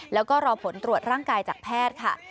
แล้วก็รอผลตรวจร่างกายจากแพทย์ค่ะ